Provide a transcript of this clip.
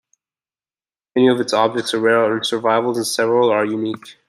Many of its objects are rare survivals and several are unique.